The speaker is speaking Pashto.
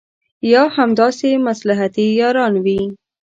یا همداسې مصلحتي یاران وي.